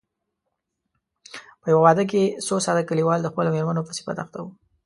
په يوه واده کې څو ساده کليوال د خپلو مېرمنو په صفت اخته وو.